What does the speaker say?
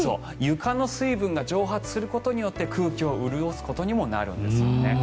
床の水分が蒸発することによって空気を潤すことにもなるんですね。